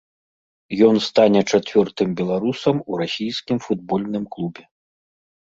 Ён стане чацвёртым беларусам у расійскім футбольным клубе.